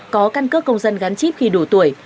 có căn cước công dân gắn chip khi đủ tuổi